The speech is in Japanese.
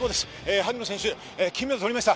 萩野選手、金メダルを取りました。